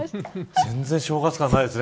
全然、正月感ないですね。